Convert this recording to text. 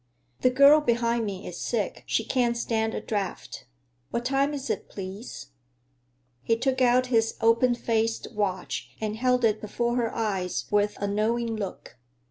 "The girl behind me is sick; she can't stand a draft. What time is it, please?" He took out his open faced watch and held it before her eyes with a knowing look.